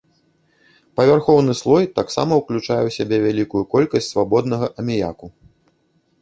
Павярхоўны слой таксама ўключае ў сябе вялікую колькасць свабоднага аміяку.